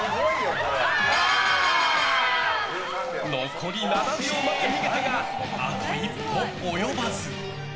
残り７秒まで逃げたがあと一歩及ばず。